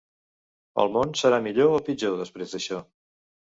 El món serà millor o pitjor després d’això?